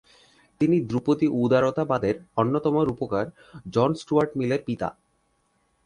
তিনি ধ্রুপদী উদারতাবাদের অন্যতম রূপকার জন স্টুয়ার্ট মিলের পিতা।